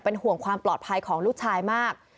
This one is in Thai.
ห่วงความปลอดภัยของลูกชายมาก